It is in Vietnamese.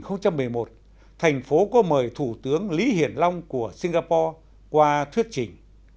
khi tôi còn là ủy viên hội đồng thành phố houston năm hai nghìn một mươi một thành phố có mời thủ tướng lý hiển long của singapore qua thuyết chỉnh